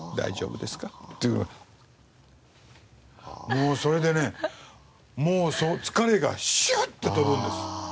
もうそれでねもう疲れがシュッと飛ぶんです。